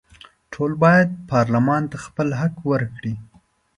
ټول باید پارلمان ته خپل حق ورکړي.